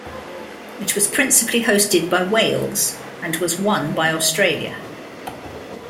It was principally hosted by Wales, and was won by Australia.